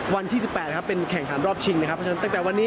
วันที่๑๘นะครับเป็นแข่งขันรอบชิงนะครับเพราะฉะนั้นตั้งแต่วันนี้